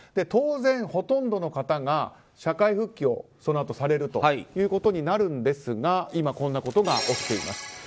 当然、ほとんどの方が社会復帰をそのあとされるということになるんですが今、こんなことが起きています。